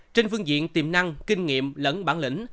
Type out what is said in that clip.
trên phương diện tiềm năng kinh nghiệm lẫn bản lĩnh